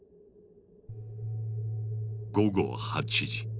午後８時。